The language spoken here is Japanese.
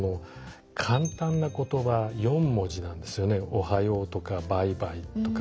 「おはよう」とか「バイバイ」とか。